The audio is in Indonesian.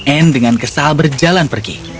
anne dengan kesal berjalan pergi